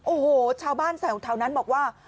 โอ้โหชาวบ้านแถวนั้นบอกว่า